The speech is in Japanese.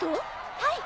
はい。